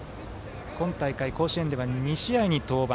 今大会、甲子園では２試合に登板。